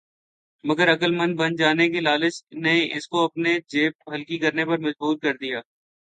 مگر عقل مند بن جانے کی لالچ نے اس کو اپنی جیب ہلکی کرنے پر مجبور کر دیا۔